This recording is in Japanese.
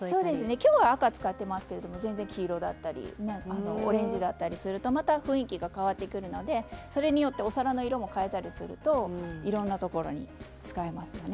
今日は赤使ってますけれども黄色だったりオレンジだったりするとまた雰囲気が変わってくるのでそれによってお皿の色も変えたりするといろんなところに使えますよね。